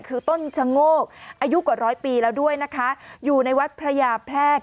คือต้นชะโงกอายุกว่าร้อยปีแล้วด้วยนะคะอยู่ในวัดพระยาแพรก